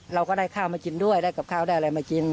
เราก็ได้ข้าวมากินด้วยได้กับข้าวได้อะไรมากิน